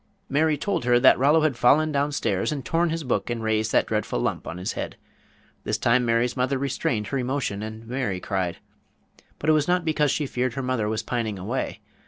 Mary told her that Rollo had fallen down stairs and torn his book and raised that dreadful lump on his head. This time Mary's mother restrained her emotion, and Mary cried. But it was not because she feared her mother was pining away.